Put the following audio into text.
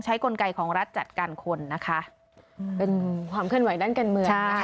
กลไกของรัฐจัดการคนนะคะเป็นความเคลื่อนไหวด้านการเมืองนะคะ